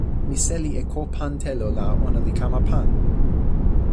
mi seli e ko pan telo la ona li kama pan.